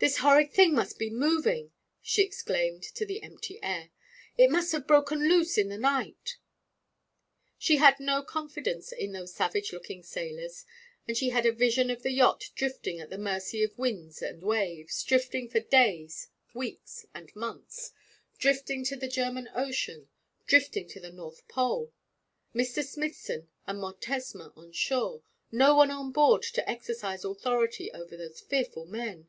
this horrid thing must be moving,' she exclaimed to the empty air. 'It must have broken loose in the night.' She had no confidence in those savage looking sailors, and she had a vision of the yacht drifting at the mercy of winds and waves, drifting for days, weeks, and months; drifting to the German Ocean, drifting to the North Pole. Mr. Smithson and Montesma on shore no one on board to exercise authority over those fearful men.